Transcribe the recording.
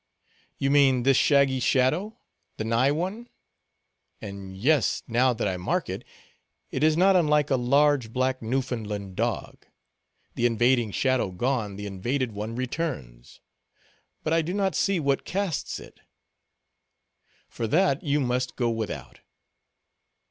"You mean this shaggy shadow—the nigh one? And, yes, now that I mark it, it is not unlike a large, black Newfoundland dog. The invading shadow gone, the invaded one returns. But I do not see what casts it." "For that, you must go without."